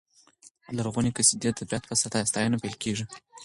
لرغونې قصیدې د طبیعت په ستاینه پیل کېږي.